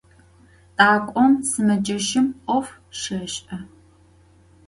Dak'om sımeceşım 'of şêş'e.